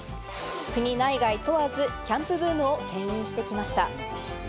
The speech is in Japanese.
国内外問わずキャンプブームを牽引してきました。